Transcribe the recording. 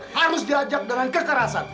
harus diajak dengan kekerasan